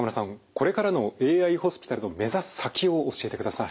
これからのＡＩホスピタルの目指す先を教えてください。